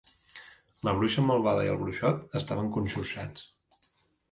La bruixa malvada i el bruixot estaven conxorxats.